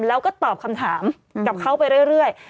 แล้วก็ตอบคำถามกับเขาไปเรื่อย